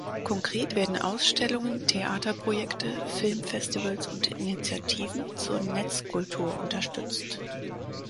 Konkret werden Ausstellungen, Theaterprojekte, Filmfestivals und Initiativen zur Netzkultur unterstützt.